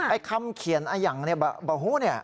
ไอ้คำเขียนอย่างเนี่ยเบาหู้เนี่ย